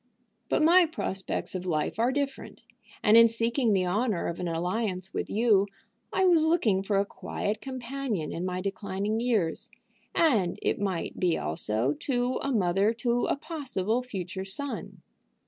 But my prospects of life are different, and in seeking the honor of an alliance with you I was looking for a quiet companion in my declining years, and it might be also to a mother to a possible future son.